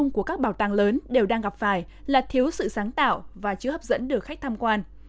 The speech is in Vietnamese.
các bảo tàng lớn đều đang gặp phải là thiếu sự sáng tạo và chưa hấp dẫn được khách tham quan